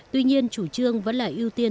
tuy nhiên chủ trương vẫn là ưu tiên